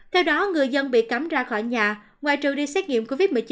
theo đó người dân bị cắm ra khỏi nhà ngoài trừ đi xét nghiệm covid một mươi chín